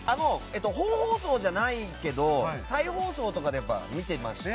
本放送じゃないけど再放送で見てました。